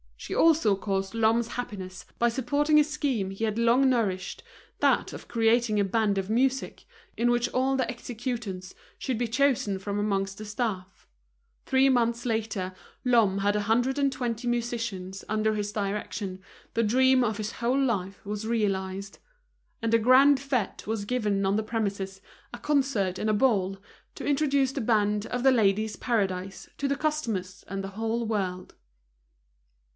She also caused Lhomme's happiness by supporting a scheme he had long nourished, that of creating a band of music, in which all the executants should be chosen from amongst the staff. Three months later Lhomme had a hundred and twenty musicians under his direction, the dream of his whole life was realized. And a grand fête was given on the premises, a concert and a ball, to introduce the band of The Ladies' Paradise to the customers and the whole world.